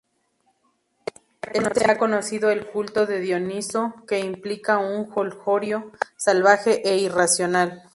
Este ha conocido el culto de Dioniso, que implica un jolgorio salvaje e irracional.